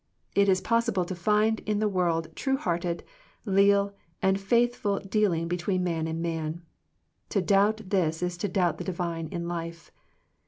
It is possible to find in the world true hearted, leal, and faith ful dealing between man and man. To doubt this is to doubt the divine in life.